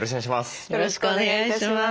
よろしくお願いします。